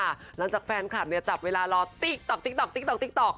หลังจากแฟนคลับเนี่ยจับเวลารอติ๊กต๊อกติ๊กต๊อกติ๊กต๊อกติ๊กต๊อก